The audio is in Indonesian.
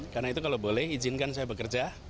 karena itu kalau boleh izinkan saya bekerja